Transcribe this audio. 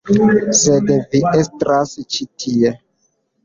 Sed Vi estras ĉi tie.